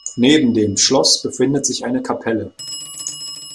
Neben dem Schloss befindet sich eine Kapelle.